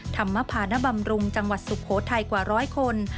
ธรรมภานบำรุงจังหวัดสุโขทัยกว่าร้อยคน